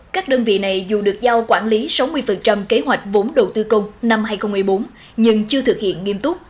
các đơn vị này dù được giao quản lý sáu mươi kế hoạch vốn đầu tư công năm hai nghìn một mươi bốn nhưng chưa thực hiện nghiêm túc